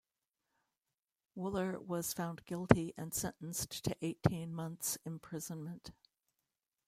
Wooler was found guilty and sentenced to eighteen months' imprisonment.